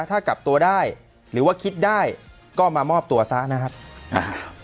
ถ้ากลับตัวได้หรือว่าคิดได้ก็มามอบตัวซะนะครับอ่า